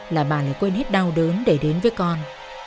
là bà lại quên hết đau đớn để đến với con